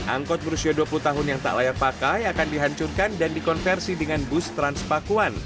angkot berusia dua puluh tahun yang tak layak pakai akan dihancurkan dan dikonversi dengan bus transpakuan